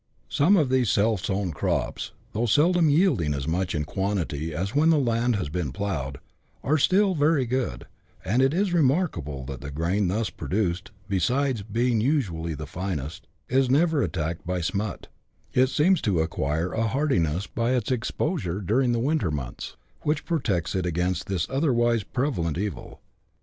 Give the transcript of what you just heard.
Some of these self sown crops, though seldom yielding as much in quantity as when the land has been ploughed, are still very good ; and it is remarkable that the grain thus produced, besides being usually the finest, is never attacked by smut ; it seems to acquire a hardiness by its exposure during the winter months, which protects it against this otherwise prevalent evil.